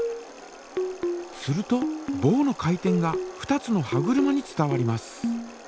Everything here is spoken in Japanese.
するとぼうの回転が２つの歯車に伝わります。